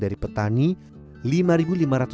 dari petani rp lima lima ratus per kilogram